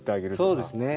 そうですね。